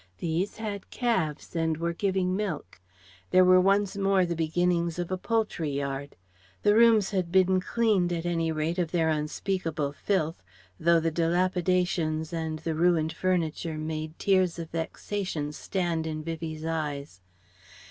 These had calves and were giving milk. There were once more the beginnings of a poultry yard. The rooms had been cleaned at any rate of their unspeakable filth, though the dilapidations and the ruined furniture made tears of vexation stand in Vivie's eyes.